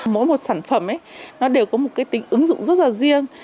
mỗi một sản phẩm nó đều có một tính ứng dụng rất là riêng